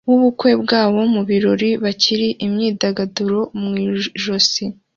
w'ubukwe bwabo mu birori bakira imyidagaduro mu ijosi